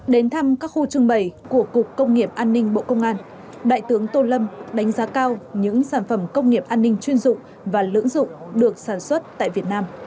đến thăm các khu trưng bày của cục công nghiệp an ninh bộ công an đại tướng tô lâm đánh giá cao những sản phẩm công nghiệp an ninh chuyên dụng và lưỡng dụng được sản xuất tại việt nam